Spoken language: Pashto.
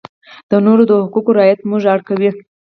د نورو د حقوقو رعایت موږ اړ کوي.